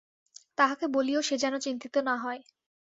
তাহাকে বলিও সে যেন চিন্তিত না হয়।